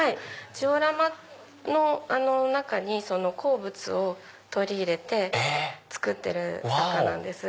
ジオラマの中に鉱物を取り入れて作ってる雑貨なんです。